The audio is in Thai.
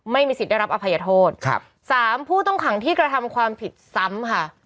ไม่มีสิทธิ์ได้รับอภัยโทษครับสามผู้ต้องขังที่กระทำความผิดซ้ำค่ะ